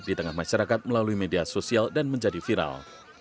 di tengah masyarakat melalui media sosial dan menjadi viral